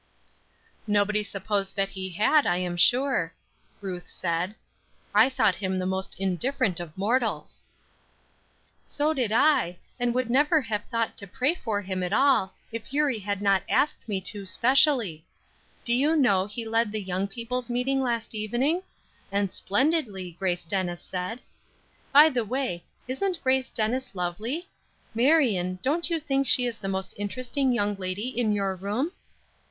"Nobody supposed that he had, I am sure," Ruth said; "I thought him the most indifferent of mortals." "So did I, and would never have thought to pray for him at all, if Eurie had not asked me to, specially. Did you know he led the young people's meeting last evening? Did splendidly, Grace Dennis said. By the way, isn't Grace Dennis lovely? Marion, don't you think she is the most interesting young lady in your room?"